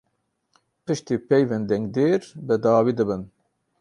Piştî peyvên dengdêr bi dawî dibin.